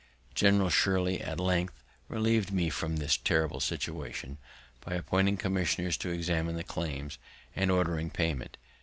General Shirley at length relieved me from this terrible situation by appointing commissioners to examine the claims, and ordering payment.